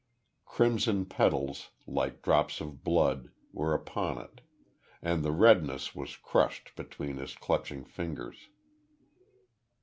Crimson petals, like drops of blood, were upon it; and the redness was crushed between his clutching fingers.